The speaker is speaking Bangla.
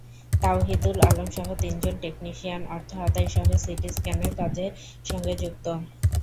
তাওহিদুল আলমসহ তিনজন টেকনিশিয়ান অর্থ আদায়সহ সিটি স্ক্যানের কাজের সঙ্গে যুক্ত।